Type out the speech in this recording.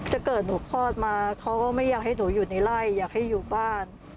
ถ้าเกิดหนูคลอดมาเขาก็ไม่อยากให้หนูอยู่ในไล่อยากให้อยู่บ้าน